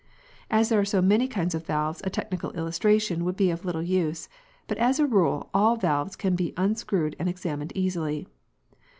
As there are so many kinds of valves a technical illustration would be of little use, but as a rule all valves can be unscrewed and examined easily.